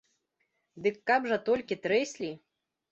Ды каб жа толькі трэслі.